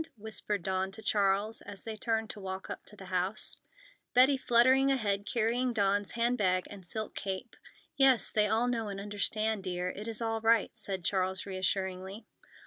whispered Dawn to Charles, as they turned to walk up to the house, Betty fluttering ahead carrying Dawn's hand bag and silk cape. "Yes, they all know and understand, dear. It is all right," said Charles reassuringly.